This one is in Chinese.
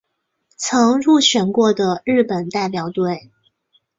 曾入选过的日本代表队。